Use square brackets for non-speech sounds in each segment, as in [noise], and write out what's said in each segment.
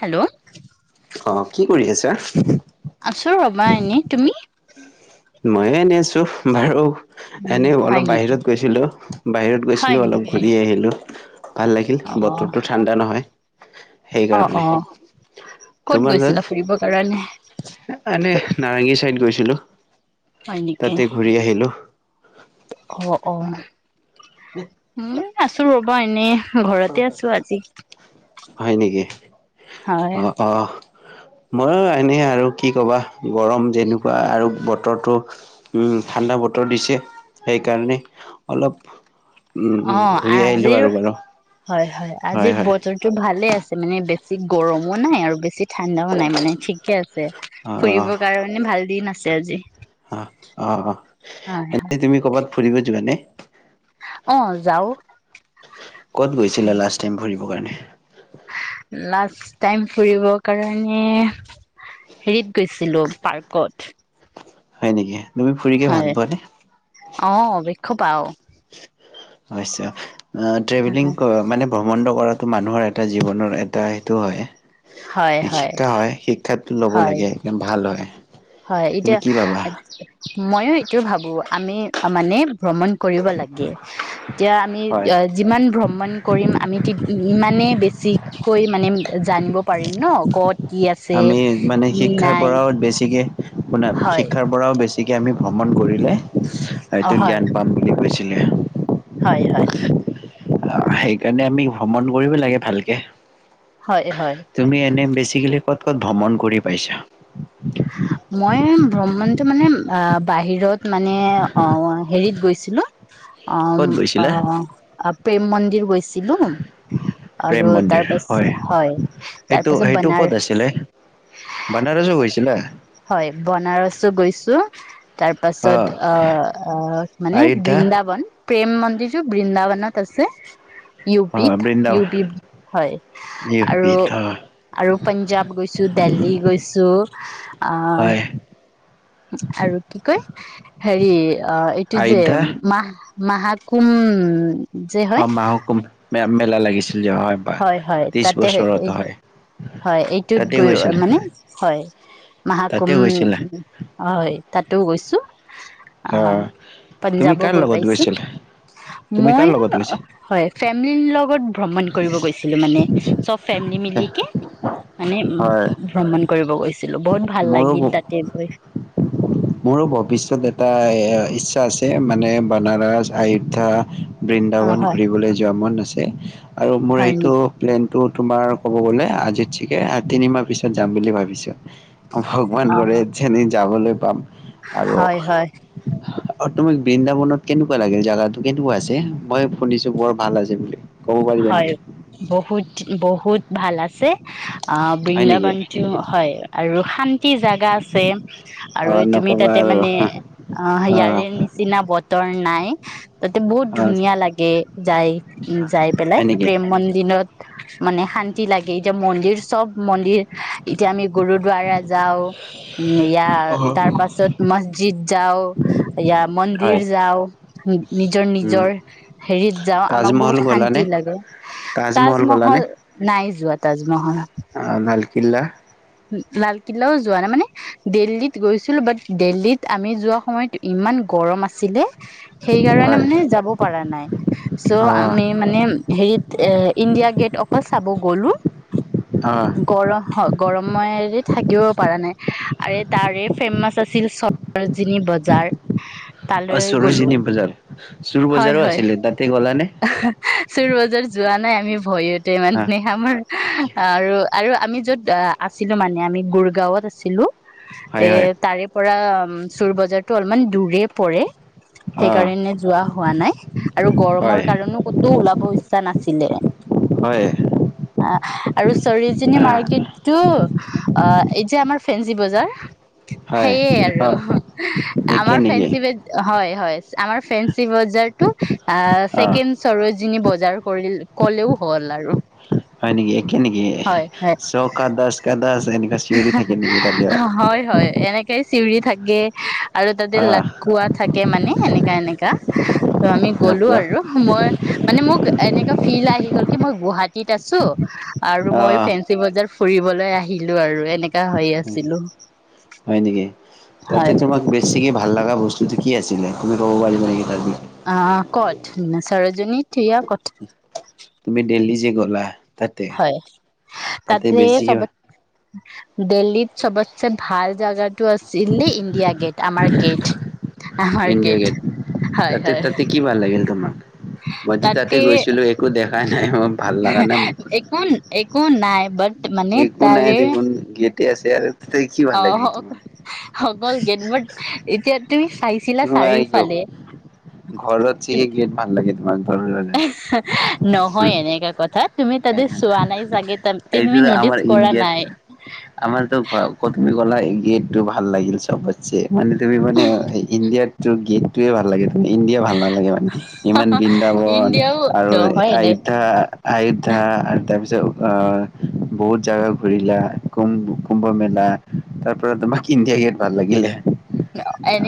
Hello. অ কি কৰি আছা? আছো ৰবা এনে তুমি? ময়ো এনে আছো বাৰু? এনে হয় অলপ নেকি বাহিৰত গৈছিলো বাহিৰত হয় গৈছিলো অলপ নেকি ঘূৰি আহিলো ভাল লাগিল অ বতৰটো ঠাণ্ডা নহয়। অ সেইকাৰণে, অ ক'ত তোমাৰ গৈছিলা ফুৰিবৰ কাৰণে [unintelligible] এনে নাৰেংগী চাইদ গৈ ছিলো হয় নেকি তাতে ঘূৰি আহিলোঁ। অ অ'। হম। আছোঁ ৰ'বা এনেই। ঘৰতে আছো আজি। হয় নেকি? হয় অ', অ'। ময়ো এনে আৰু কি কবা গৰম যেনেকুৱা আৰু বতৰটো উম ঠাণ্ডা বতৰ দিছে সেইকাৰণে অলপ। উম অ ঘূৰি আহিলো আজিৰ আৰু বাৰু। হয় হয় আজিৰ বতৰটো ভাল। ভালে আছে মানে বেছি গৰমো নাই আৰু বেছি ঠাণ্ডাও নাই মানে ঠিকে আছে, অ অ ফুৰিবৰ কাৰণে ভাল দিন আছে। আছে আজি। অ', অ'। হয় হয় এনেই তুমি কবাত ফুৰিব যোৱানে? অ' যাও। ক'ত গৈছিলা লাষ্ট টাইম ফুৰিব। [unintelligible] কাৰণে। লাষ্ট টাইম ফুৰিবৰ কাৰণে হেৰিত গৈছিলোঁ পাৰ্কত। হয় নেকি। তুমি ফুৰিকে ভাল পোৱানে? খু পাও। হৈছো ট্ৰেভেলিং কৰা মানে ভ্ৰমণটো কৰাত টো মানুহৰ এটা জীৱনৰ এটা সেইটো হয় হয় হয় শিক্ষা শিক্ষাটো ল'ব হয় লাগে ভাল হয়। হয়, তুমি এতিয়া কি ভাবা? ময়ো এইটো ভাবো আমি মানে ভ্ৰমণ কৰিব লাগে। এতিয়া আমি হয়। যিমান ভ্ৰমণ কৰিম আমি ইমানেই বেছিকৈ মানে জানি পাৰিম ন ক'ত আমি মানে কি শিক্ষাৰ নাই পৰাও বেছিকে মানে হয় শিক্ষাৰ পৰাও বেছি গতিকে আমি ভ্ৰমণ কৰিলে অ এইটো হয় জ্ঞান পাম বুলি কৈছে। [unintelligible] হয় হয় অ' সেইকাৰণে আমি ভ্ৰমণ কৰিব লাগে ভালকে। হয় হয় তুমি এনে বেছি [unintelligible] ভ্ৰমণ কৰি পাইছা মই ভ্ৰমণটো মানে অহ বাহিৰত মানে অহ হেৰিত গৈছ ছিলো অহ ক'ত গৈছিলা? -অহ। প্ৰেম মন্দিৰ গৈছি প্ৰেম মন্দিৰ হয়, তাৰ সেইটো পাছত সেইটো বনাৰ ক'ত আছিলে বানাৰসো গৈছিলা। হয় বনাৰসো গৈছো তাৰ অ পাছত অহ মানে আয়োধ্যা বৃন্দাবন প্ৰেম মন্দিৰটো বৃন্দাবনত আছে। ইউ অ বিত বৃন্দাবন ইউ বি হয় আৰু ইউপিত অ আৰু পাঞ্জাৱ গৈছো দেলহি গৈছো। আহ হয়। আৰু কি কয় হেৰি অহ এইটো যে আয়োধ্যা মাহ মাহাকুম হয় মাহাকুমভ। মেলা লাগিছে। হয় -হয় তাতে হয় হয় এইটোত তাতে গৈ গৈছিলে মানে হয় তাতে মাহাকুম গৈছিলে হয় তাতো গৈছো। ছো। অ আহ তুমি পাঞ্জাবো কাৰ গৈ লগত পাইছো গৈছিলা তুমি কাৰ মই লগত গৈছিলা হয় ফেমিলি লগত ভ্ৰমণ কৰিব গৈছিলো মানে চব ফেমিলি মিলিকে মানে উম হয় ভ্ৰমণ কৰিব গৈছি ছিলো বহুত ভাল লাগিল ময়ো তাতে গৈ। মোৰো ভৱিষ্যত এটা ইচ্ছা আছে মানে বনাৰস আয়োধ্যা অ বৃন্দাবন হয় ঘূৰিবলৈ যোৱা মন আছে। তে। আৰু মোৰ হয় এইটো নেকি প্লেনটো তোমাৰ ক'ব গ'লে আজি চিকে তিনিমাহ পিছত যাম বুলি ভাবিছো। ভগৱান অ কৰে যেনে যাবলৈ পাম। আৰু হয় হয় আৰু তোমাক বৃন্দাবনত কেনেকুৱা লাগিল জেগাটো কেনেকুৱা আছে মই শুনিছো বৰ ভাল আছে বুলি। ক'ব পাৰিবা হয়, নেকি? বহুত বহুত ভাল আছে! অ' হয় নেকি? বৃন্দাবানটিও হয় আৰু শান্তি জেগা আছে। আৰু অ' তুমি নক'বা তাতে আৰু মানে অ' ইয়াৰে নিচিনা বত তৰ নাই! তাতে বহুত অ' ধুনীয়া লাগে যাই, উম যাই হয় নেকি? প্ৰেম মন্দিৰত মানে শান্তি লাগে। এতিয়া মন্দিৰ চব মন্দিৰ এতিয়া আমি গুৰুদ্বাৰা যাওঁ উম এয়া তাৰ হয়, পাছত মছজিদ যাওঁ, এয়া মন্দিৰ যাওঁ নিজৰ উম। নিজৰ হেৰিত যাওঁ আমাক তাজমহল বহুত গ'লানে? শান্তি তাজমহল নাই নাই যোৱা তাজমহল। অ' লাল কিলা লালকিল্লাও যোৱা নাই মানে দিল্লীত গৈছিলো বাট দিল্লীত আমি যোৱা সময়ত ইমান গৰম আছিলে! সেই কাৰণে হয় মানে যাব পাৰা নাই অ চ' আমি মানে হেৰিত এ ইণ্ডিয়া গেট অকল চাব গ'লো। অ গৰম হওক। গৰমৰে থাকিব পৰা নাই আৰু তাৰে ফেমাচ আছিল সৰোজীনী বজাৰ। অ' তালৈ গ'লো চৰুজীনী বজাৰ চোৰ হয় বজাৰো হয় আছিলে তাতে গ'লা নে? চোৰ বজাৰ যোৱা নাই আমি ভয়ত ইমান অ দিনে আমাৰ আৰু আৰু আমি য'ত আছিলো মানে আমি গুৰগাঁৱত আছিলো। হয় তে হয় তাৰে পৰা চুৰ বজাৰতটো অলমান দূৰে পৰে। অ সেইকাৰণে যোৱা হোৱা নাই আৰু গৰমৰ হয় কাৰণে ক'তো ওলাব ইচ্ছা নাছিলে হয় অ' আৰু চৰোজনী অ মাৰ্কেতটো। অ' এই যে আমাৰ ফেনচি বজাৰ! হয় সেইয়ে আৰু অ একে আমাৰ নেকি ফেঞ্চি বেজ হয়-হয়। আমাৰ ফ্ৰে বজাৰ টো অ সৰজনী বজাৰ কৰি ক'লেও হ'ল আৰু হয় নেকি একে নেকি চৌকা দশ কাঁ দশ হয়-হয় এনেকেই। চিঞৰি থাকে। আৰু তাতে আহ লাকখুৱা থাকে। কে মানে এনেকা-এনেকা। ত আমি লগ গ'লো পোৱা আৰু মই। মানে মোক এনেকুৱা ফিল আহি গ'ল কি মই গুৱাহাটীত আছোঁ। আৰু মই আহ ফেঞ্চি বজাৰ। ফুৰিবলৈ আহিল। লো আৰু। হয় নেকি তাতে হয় তোমাক বেছিকে ভাল লগা বস্তু। কি আছিলে তুমি কব পাৰিবা। অ ক'ত চৰজনীত। থিয়া কথা। জি গ'লা। তাতে হয়, তাতে চবত দিল্লীত চবতচে ভাল। জগাত ইণ্ডিয়া গেট হয় হয় তাতে-তাতে কি ভাল লাগিল তোমাক, মইতো তাতে গৈছিলোঁ একো দেখা নাই। মই ভাল লগা নাই মোক। একো-একো নাই বাত। একো নাই দেখোন গেটেই আছে আৰু তাতে কি ভাল অ লাগিল তোমাৰ অকল গেট বাট এতিয়া তুমি চাইছিলা চাৰিওফালে ঘৰত তুমি চাগে গেট ভাল লাগে তোমাৰ। নহয় এনেকা কথাত। তুমি তাতে চোৱা নাই চাগে তাতে সেইটো তুমি নটিচ আমাৰ কৰা ইণ্ডিয়াত নাই। গেট টো ভাল লাগিলিছে। চব পাছে মানে তুমি মানে ইণ্ডিয়ান। টো গেটটোৱে ভাল লাগে ইণ্ডিয়া ভাল নালাগে। মানে ইমান বৃন্দাবন ইণ্ডিয়াও আৰু নহয় এনে আয়োধ্যা আয়ু ত [unintelligible] তাৰপিছত আহ বহুত জাগা ঘূৰিলা কুম কুম্ভ মেলা তাৰ পৰা তোমাক ইণ্ডিয়া গেট ভাল লাগিলে।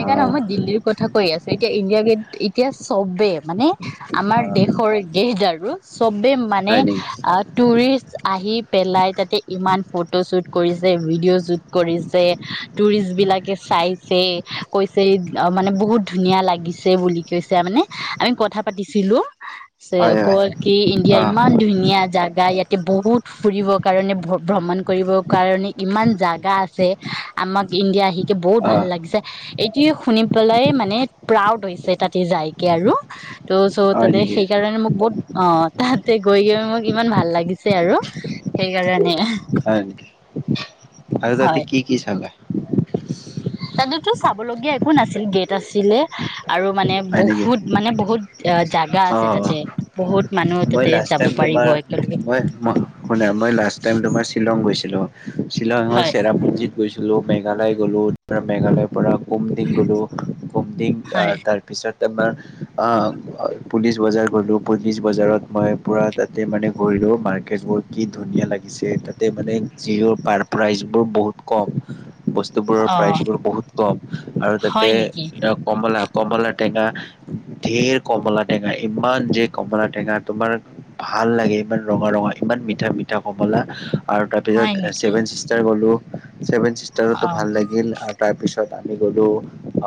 অ নহয় দিল্লীৰ কথা কৈ আছোঁ। এতিয়া ইণ্ডিয়া গেট ইতিয়া। চবে মানে অ আমাৰ দেশৰ গেহজাৰ। ৰজ [unintelligible] চবে মানে হয় নেকি টুৰিষ্ট আহি পেলাই তাতে ইমান ফটো শ্বুট। কৰিছে ভিডিঅ' শুট কৰিছে, টুৰিষ্ট বিলাকে চাই ছে, কৈছে অ -মানে বহুত ধুনীয়া লাগিছে বুলি কৈছে মানে, আমি কথা পাতিছিলো। [unintelligible] হয় হয় কল কি ইণ্ডিয়াৰ অ ইমান ধুনীয়া জাগা ইয়াত এতিয়া বহুত ফুৰিবৰ কাৰণে ভ্ৰমণ কৰিবৰ কাৰণে ইমান জাগা আছে, আমাক ইণ্ডিয়া আহিকে বহুত অ ভাল লাগিছে। এইটোৱেই শুনি পেলাই মানে- প্ৰাউড হৈছে তাতে যাইকে আৰু ত- চ' হয় তাতে নেকি সেইকাৰণে মোক বহুত অ ততে [unintelligible] কিমান ভাল লাগিছে আৰু, সেইকাৰণে। হয় নেকি আৰু তাতে কি কি চালা। [inaudible] তাততো চাব লগগীয়া একো নাছিল গেট আছিলে আৰু মানে হয় নেকি বহুত মানে বহুত এ জাগা অ আছে অ তাতে, বহুত মানুহ মই তাতে লাষ্ট যাব টাইম পাৰিব তোমাৰ একেলগে। মই [unintelligible] শ্বিলংৰ হয় চেৰাপুঞ্জীত গৈছি [unintelligible] মেঘালয় গ'লো, মেঘালয়ৰ পৰা কুম দিন গলো, কুম দিন হয় তাৰ-তাৰ [unintelligible] আহ পুলিচ বজাৰ গলো পুলিচ বজাৰত মই পুৰা তাতে মানে গলো মাৰ্কেট বোৰ কি ধুনীয়া লাগিছে তাতে মানে জিঅৰ পাৰ প্ৰাইচ বোৰ বহুত কম। বস্তুবোৰৰ অ প্ৰাইচবোৰ বহুত কম আৰু তাতে হয় নেকি কম লাভ [unintelligible] টেঙা, ঢেৰ কমলা টেঙা ইমান যে কমলা টেঙা তোমাৰ ভাল লাগে ইমান ৰঙা ৰঙা ইমান মিঠা মিঠা কমলা। আৰু তাৰ হয় পিছত নেকি ছেভেন চিষ্টাৰ গ'লো। ছেভেন চিষ্টাৰোতো অ ভাল লাগিল আৰু তাৰপিছত [unintelligible] গলো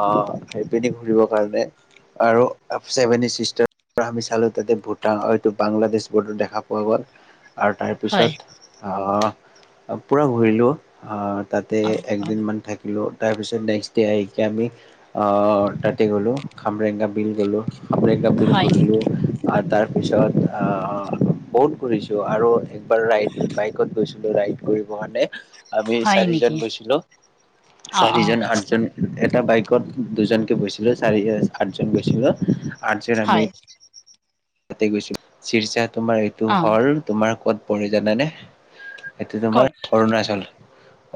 অ সেইপিনি ঘুৰিবৰ কাৰণে। আৰু চেভেনিচিষ্টাৰ- আমি চালো তাতে ভূটান হয়তটো বাংলাদেশ বৰ্ডৰ দেখা পোৱা গ'ল। আৰু হয় তাৰপিছত পুৰা ঘূৰিলোঁ তাতে অ অ একদিনমান থাকিলোঁ। তাৰপিছত নেক্সট ডে আহিকে আমি আহ তাতে গ'লোঁ। খামৰেঙা বিল গ'লোঁ। খামৰেঙা বিল হয় ঘূৰিলো নেকি আৰু তাৰ তাৰ পিছত, আঁ বহুত ঘূৰিছো আৰু একবাৰ ৰাইড বাইকত গৈছিলোঁ ৰাইড কৰিব কাৰণে। আমি হয় চাৰিজন নেকি গৈছিলোঁ, অ অ চাৰিজন আঠজন এটা বাইকত দুজনকে গৈছিলোঁ। চাৰিজন আছিলে। আঠজন গৈছিলোঁ। আঠজন আমি হয় তাতে গৈছোঁ। ছিৰচাত তোমাৰ এইটো অ হ'ল, তোমাৰ ক'ত পৰে জানা নে? এইটো তোমাৰ ক'ত অৰুণাচল।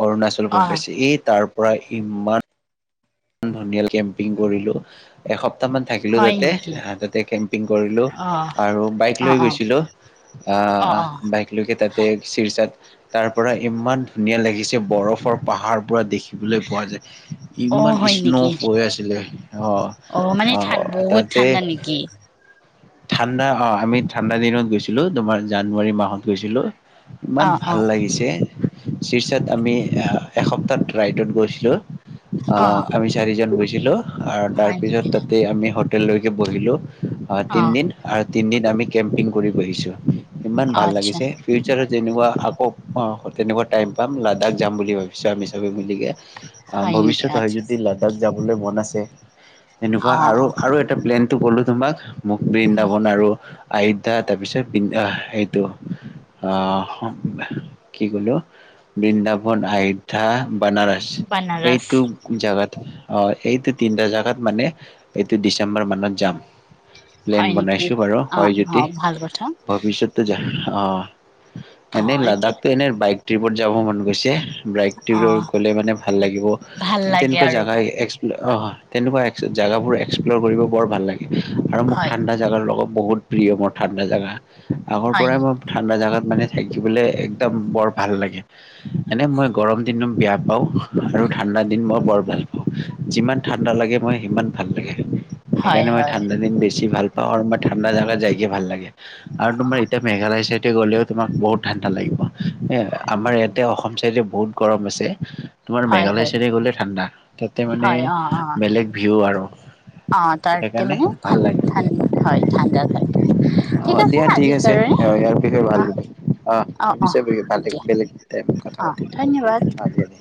অৰুণাচল অ প্ৰদেশ। এই তাৰ প্ৰায় ইমান ধনিয়াল কেম্পিং কৰিলোঁ। এসপ এসপ্তাহমান থাকিলোঁ হয় তাতে। নেকি হা! তাতে কেম্পিং কৰিলোঁ অ আৰু বাইক অ লৈ অ গৈছিলোঁ। অ আঁ অ বাইক লৈকে তাতে ছিৰচাট তাৰ পৰা ইমান ধুনীয়া লাগিছে, বৰফৰ পাহাৰ পুৰা দেখি দেখিবলৈ পোৱা যায়। অ ইমান হয় নেকি স্নোফল হৈ আছিলে। অ'! মানে ঠান অ'! বহুত তাতে ঠাণ্ডা নেকি ঠাণ্ডা হয়, আমি ঠাণ্ডা দিনত গৈছিলোঁ। তোমাৰ জানুৱাৰী মাহত গৈছিলোঁ। ইমান অ অ ভাল লাগিছে! ছিৰচাত আমি এসপ্তাহত ৰাইডত গৈছিলোঁ। অ'! ৰিজাল্ট ওলাইছিলোঁ আৰু তাৰ হয় নেকি পিছত তাতে আমি হো হোটেললৈকে বহিলোঁ। অ'! তিনদিন আৰু তিনদিন আমি কেম্পিং কৰিব আহিছোঁ। ইমান ভাল আচ্ছা লাগিছে! ফিউচাৰত যেনেকুৱা, আকৌ, অ'! তেনেকুৱা টাইম পাম লাডাখ যাম বুলি ভাবিছোঁ, আমি চবে মিলিগে। অ'! হয় নেকি ভৱিষ্যত হয় আচ্ছা যদি লাডাখ যাবলৈ মন আছে। এনেকুৱা অ আৰু অ আৰু এটা প্লেন বোলো তোমাক মোক বৃন্দাবন আৰু আয়োধ্যা তাৰপিছত বৃন সেইটো আহ সম কি ক'লো? বৃন্দাবন, আয়োধ্যা বানাৰস। বানাৰস সেইটো তাত অ এইটো তিনিটা জাগাত মানে, এইটো ডিচেম্বৰ মানত যাম। প্লেন হয় নেকি বনাইছোঁ বাৰু অ হয় অ যদি ভাল কথা ভৱিষ্যতে যা অ। অ এনে এতিয়া লাডাখটো এনে বাইক ট্ৰিপত যাব মন গৈছে। অ ব্ৰাইকটিৰৰ গ'লে মানে ভাল লাগিব। ভাল লাগে তেনেকুৱা আৰু জাগাই এ-এক্সপ্ল'ৰ অহ। তেনেকুৱা এক্স জাগাবোৰ এক্সপ্ল'ৰ কৰিব বৰ ভাল লাগে। আৰু মোক হয় ঠাণ্ডা জাগাৰ লগত বহুত প্ৰিয় মোৰ ঠাণ্ডা জাগা। আগৰ হয় পৰাই মই নেকি ঠাণ্ডা জাগাত মানে থাকিবলৈ একদম বৰ ভাল লাগে, এনে মই গৰম দিনো বেয়া পাওঁ আৰু ঠাণ্ডা দিন মই বৰ ভাল পাওঁ, যিমান ঠাণ্ডা লাগে মই সিমান ভাল লাগে। হয় সেইকাৰণে মই হয় ঠাণ্ডা দিন বেছি ভাল অৰ বা ঠাণ্ডা জাগাত যায়কি ভাল লাগে। আৰু তোমাৰ এতিয়া মেঘালয় চাইড তে গ'লেও তোমাক বহুত ঠাণ্ডা লাগিব এ আমাৰ ইয়াতে অসম চাইডে বহুত গৰম আছে। তোমাৰ হয় মেঘালয় হয় তেনে গ'লে ঠাণ্ডা, তাতে মানে বেলেগ ভিউ আৰু। অহ, তাৰতে সেইকাৰণে মানে ভাল ঠান লাগে ঠান হয় ঠাণ্ডা পাই, অ ঠিক আছে দিয়া ঠিক আজিৰ আছে কাৰণে ইয়াৰ বিষয়ে অহ, ভালকৈ অ ইয়াৰ অহ, পিছে অহ, বেলেগ দিয়া বেলেগ টাইমত কথা অহ, পাতিম দিয়া ধন্যবাদ। অ দিয়া দিয়া